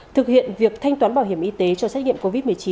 thực hiện việc thanh toán bảo hiểm y tế cho xét nghiệm covid một mươi chín